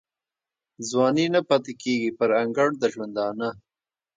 ځواني نه پاته کیږي پر انګړ د ژوندانه